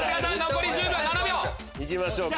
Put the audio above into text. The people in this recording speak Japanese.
行きましょうか。